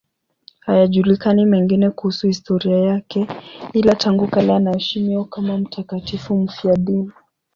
Hayajulikani mengine kuhusu historia yake, ila tangu kale anaheshimiwa kama mtakatifu mfiadini.